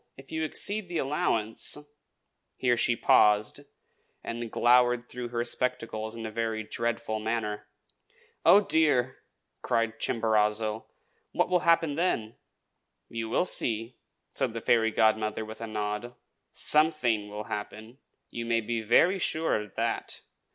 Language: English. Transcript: If you exceed the allowance " Here she paused, and glowered through her spectacles in a very dreadful manner. "Oh, dear!" cried Chimborazo. "What will happen then?" "You will see!" said the fairy godmother, with a nod. "Something will happen, you may be very sure of that.